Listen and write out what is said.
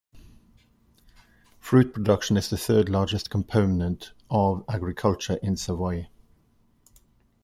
Fruit production is the third largest component of agriculture in Savoie.